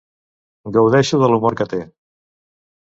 Gaudeixo de l'humor que té.